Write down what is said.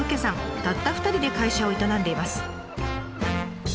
たった２人で会社を営んでいます。